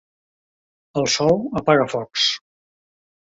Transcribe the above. El sol apaga focs.